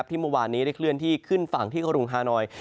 เมื่อวานนี้ได้เคลื่อนที่ขึ้นฝั่งที่กรุงฮานอย